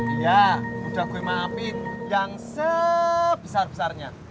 iya udah gue maafin yang sebesar besarnya